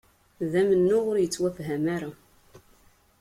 D amennuɣ ur yettwafham ara